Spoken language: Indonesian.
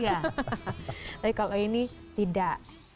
tapi kalau ini tidak